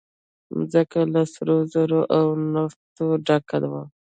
مځکه له سرو زرو او نفته ډکه ده.